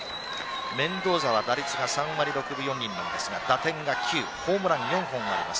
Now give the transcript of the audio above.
メンドーザは打率が３割６分４厘なんですが打点が９ホームラン４本があります。